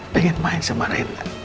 pengen main sama rena